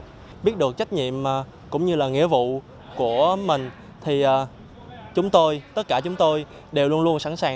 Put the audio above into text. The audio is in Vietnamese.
để biết được trách nhiệm cũng như là nghĩa vụ của mình thì tất cả chúng tôi đều luôn luôn sẵn sàng